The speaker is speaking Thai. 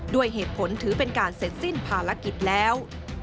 ด้วยเหตุผลถือเป็นการเสร็จสิ้นภารกิจแล้ว